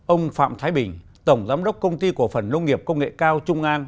ông phạm thái bình tổng giám đốc công ty cổ phần nông nghiệp công nghệ cao trung an